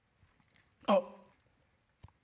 あっ！